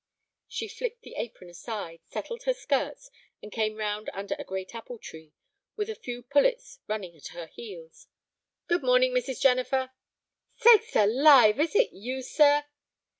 She flicked the apron aside, settled her skirts, and came round under a great apple tree, with a few pullets running at her heels. "Good morning, Mrs. Jennifer." "Sakes alive! is it you, sir?"